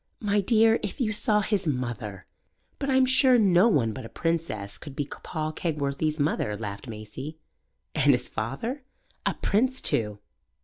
"My dear, if you saw his mother!" "But I'm sure no one but a princess could be Paul Kegworthy's mother," laughed Maisie. "And his father?" "A prince too!"